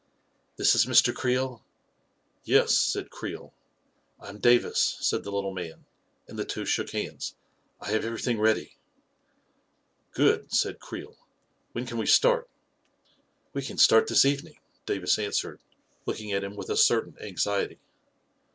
"This is Mr. Creel?" " Yes," said Creel. " I am Davis," said the little man, and the two shook hands. " I have everything ready." " Good," said Creel. " When can we start? " "We can start this evening," Davis answered, looking at him with a certain anxiety.